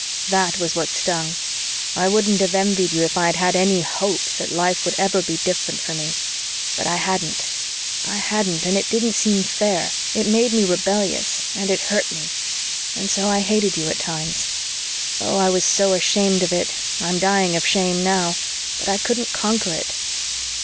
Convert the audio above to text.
THAT was what stung. I wouldn't have envied you, if I had had any HOPE that life would ever be different for me. But I hadn't I hadn't and it didn't seem FAIR. It made me rebellious and it hurt me and so I hated you at times. Oh, I was so ashamed of it I'm dying of shame now but I couldn't conquer it.